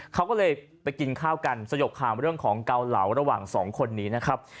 เขาก็เลยไปกินข้าวกันสยบข่าวเรื่องของเกาเหลาระหว่างสองคนนี้นะครับ